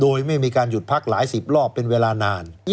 โดยไม่มีการหยุดพักหลายสิบรอบเป็นเวลานาน